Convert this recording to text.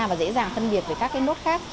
và dễ dàng phân biệt với các cái nốt khác